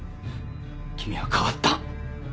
君は変わった。